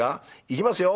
いきますよ。